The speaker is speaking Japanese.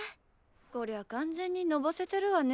こりゃ完全にのぼせてるわね。